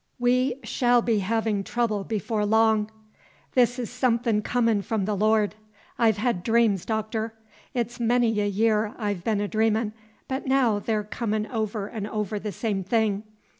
"We shall be havin' trouble before long. The' 's somethin' comin' from the Lord. I've had dreams, Doctor. It's many a year I've been a dreamin', but now they're comin' over 'n' over the same thing.